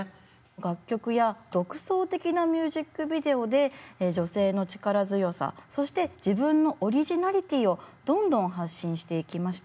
楽曲や独創的なミュージックビデオで女性の力強さそして自分のオリジナリティーをどんどん発信していきました。